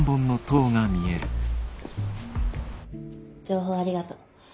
「情報ありがとう。